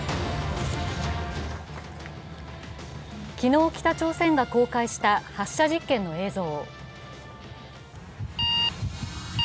昨日、北朝鮮が公開した発射実験の映像。